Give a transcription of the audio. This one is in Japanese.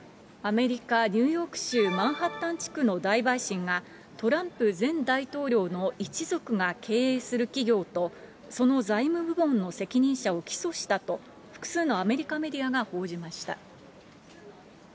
アメリカ・ニューヨーク州マンハッタン地区の大陪審がトランプ前大統領の一族が経営する企業とその財務部門の責任者を起訴したと、複数のアメリカメディアが報じました。